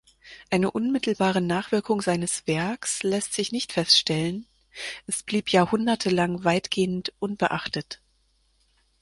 Eine unmittelbare Nachwirkung seines Werks lässt sich nicht feststellen, es blieb jahrhundertelang weitgehend unbeachtet.